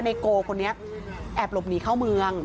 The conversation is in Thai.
ในโกคนนี้แอบหลบหนีเข้าเมือง